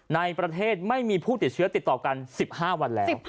ในประเทศไม่มีผู้ติดเชื้อติดต่อกัน๑๕วันแล้ว